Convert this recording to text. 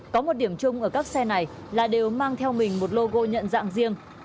có một điểm chung ở các xe này là đều mang theo mình một logo nhận dạng riêng